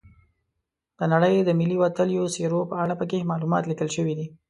د نړۍ د ملي وتلیو څیرو په اړه پکې معلومات لیکل شوي دي.